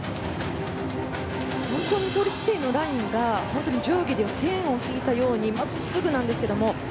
本当に倒立姿勢のラインが定規で線を引いたように真っすぐなんですけども。